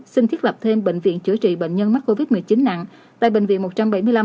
xin thiết lập thêm bệnh viện chữa trị bệnh nhân mắc covid một mươi chín nặng tại bệnh viện một trăm bảy mươi năm